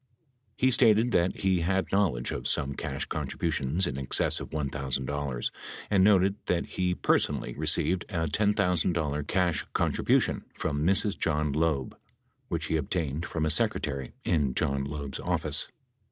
He stated that he had knowledge of some cash contributions in excess of $1,000 and noted that he personally received a $10,000 cash contribution from Mrs. John Loeb, which he obtained from a secretary in John Loeb's office.